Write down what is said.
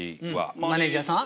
マネジャーさん？